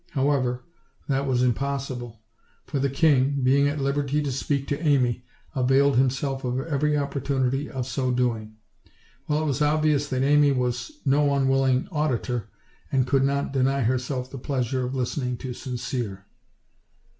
However, that was impossible; for the king, being at liberty to speak to Amy, availed him self of every opportunity of so doing; while it was obvi ous that Amy was no unwilling auditor, and could not deny herself the pleasure of listening to Sincere.